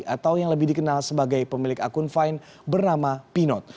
atau yang lebih dikenal sebagai pemilik akun fine bernama pinot